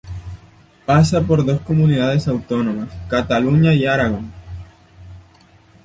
Pasa por dos comunidades autónomas, Cataluña y Aragón.